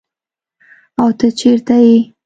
او ته چیرته ئي ؟